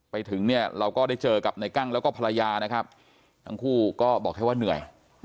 ไปถึงเนี่ยเราก็ได้เจอกับในกั้งแล้วก็ภรรยานะครับทั้งคู่ก็บอกแค่ว่าเหนื่อย